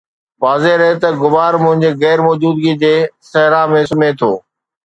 واضح رهي ته غبار منهنجي غير موجودگيءَ جي صحرا ۾ سمهي ٿو